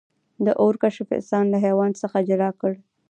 د اور کشف انسان له حیوان څخه جلا کړ.